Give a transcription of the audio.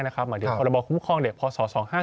หมายถึงพรบคุ้มครองเด็กพศ๒๕๖